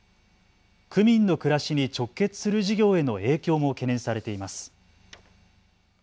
区民の暮らしに直結する事業への影響も懸念されています。